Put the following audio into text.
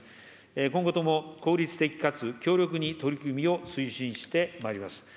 今後とも、効率的かつ強力に取り組みを推進してまいります。